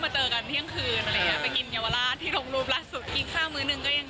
หนูเลิกต้องเที่ยงคืนก็มาเจอกันเที่ยงคืน